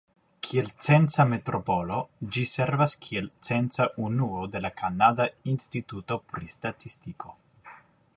Kiel censa metropolo, ĝi servas kiel censa unuo de la Kanada Instituto pri Statistiko.